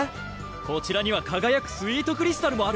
こちらにはかがやくスイートクリスタルもある！